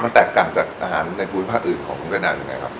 มันแตกกับอาหารในประวัติภาคอื่นของของเวียดนามยังไงครับ